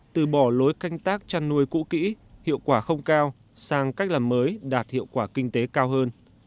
từ bỏ lối canh tác chăn nuôi cũ kỹ hiệu quả không cao sang cách làm mới đạt hiệu quả kinh tế cao hơn